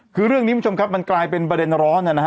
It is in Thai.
คือเรื่องนี้คุณผู้ชมครับมันกลายเป็นประเด็นร้อนนะฮะ